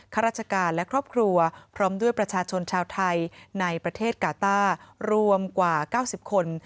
ข้าราชการและครอบครัวพร้อมด้วยประชาชนชาวไทยในประเทศกาต้ารวมกว่า๙๐คน